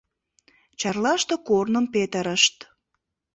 Чарлаште корным петырышт.